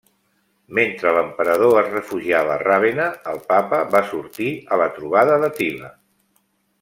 Mentre l'Emperador es refugiava a Ravenna, el Papa va sortir a la trobada d'Àtila.